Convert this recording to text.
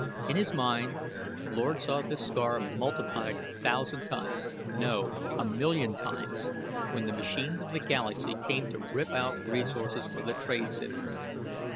In his mind Lord saw this scar multiplied a thousand times no, a million times when the machines of the galaxy came to rip out resources for the trade cities.